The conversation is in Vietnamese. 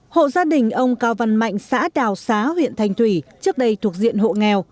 hộ gia đình ông cao văn mạnh xã đào xá huyện thành thủy trước đây thuộc diện hộ nghèo